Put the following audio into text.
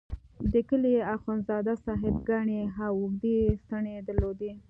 د کلي اخندزاده صاحب ګڼې او اوږدې څڼې درلودې.